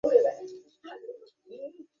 ঠিক আছে, আমি এক কাপ বানিয়ে নিয়ে আসছি।